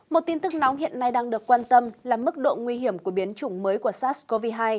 một tin tức nóng hiện nay đang được quan tâm là mức độ nguy hiểm của biến chủng mới của sars cov hai